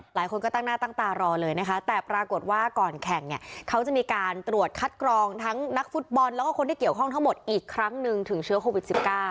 หลายคนก็ตั้งหน้าตั้งตารอเลยนะคะแต่ปรากฏว่าก่อนแข่งเนี่ยเขาจะมีการตรวจคัดกรองทั้งนักฟุตบอลแล้วก็คนที่เกี่ยวข้องทั้งหมดอีกครั้งหนึ่งถึงเชื้อโควิด๑๙